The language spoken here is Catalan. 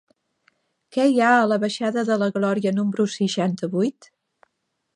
Què hi ha a la baixada de la Glòria número seixanta-vuit?